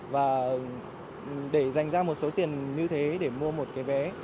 và để dành ra một số tiền như thế để mua một cái vé